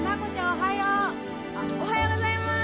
おはようございます。